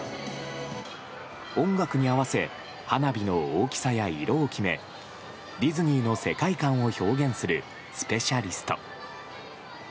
音楽に合わせ花火の大きさや色を決めディズニーの世界観を表現するスペシャリスト。